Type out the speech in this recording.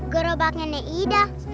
gerobaknya nek ida